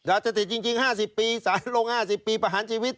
อาจจะติดจริงจริงห้าสิบปีสารลงห้าสิบปีประหารชีวิต